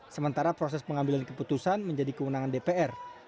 sementara proses pengambilan keputusan menjadi kewenangan dpr